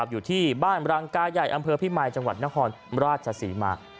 อยู่ที่บ้านรังกาใหญ่อำเภาพิมัยจนครราชาศรีมา